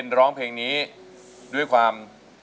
แต่เงินมีไหม